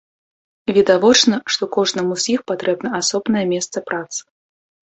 Відавочна, што кожнаму з іх патрэбна асобнае месца працы.